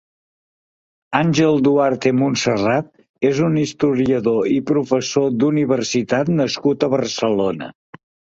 Àngel Duarte Montserrat és un historiador i professor d'universitat nascut a Barcelona.